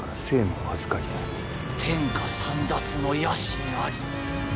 天下簒奪の野心あり。